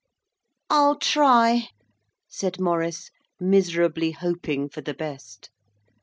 'I'll try,' said Maurice, miserably hoping for the best.